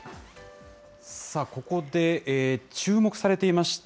さあここで、注目されていました